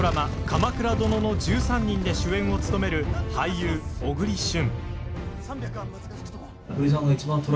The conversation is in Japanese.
「鎌倉殿の１３人」で主演を務める、俳優・小栗旬。